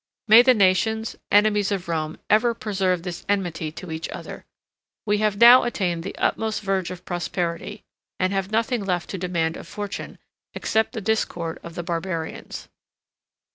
May the nations, enemies of Rome, ever preserve this enmity to each other! We have now attained the utmost verge of prosperity, 79 and have nothing left to demand of fortune, except the discord of the barbarians."